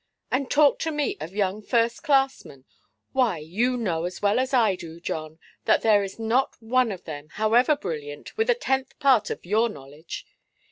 And talk to me of young first–classmen! Why, you know as well as I do, John, that there is not one of them, however brilliant, with a tenth part of your knowledge.